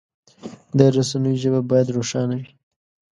د رسنیو ژبه باید روښانه وي.